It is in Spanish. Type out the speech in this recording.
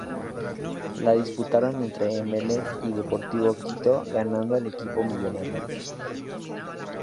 La disputaron entre Emelec y Deportivo Quito, ganando el equipo millonario.